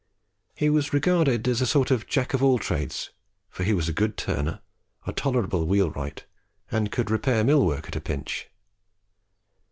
He was regarded as a sort of jack of all trades; for he was a good turner, a tolerable wheel wright, and could repair mill work at a pinch.